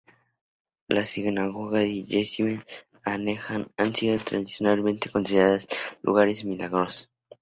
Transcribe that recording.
La sinagoga y la yeshivá aneja han sido tradicionalmente consideradas lugares milagrosos.